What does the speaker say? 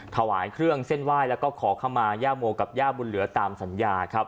ถวายเครื่องเส้นไหว้แล้วก็ขอเข้ามาย่าโมกับย่าบุญเหลือตามสัญญาครับ